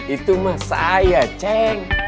itu mah saya ceng